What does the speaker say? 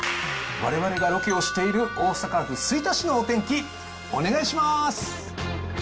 われわれがロケをしている大阪府吹田市のお天気、お願いします。